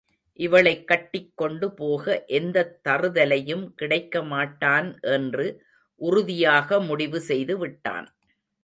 இவளைக் கட்டிக்கொண்டு போக எந்தத் தறுதலையும் கிடைக்க மாட்டான் என்று உறுதியாக முடிவு செய்துவிட்டான்.